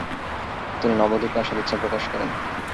তিনি নবদ্বীপে আসার ইচ্ছা প্রকাশ করেন।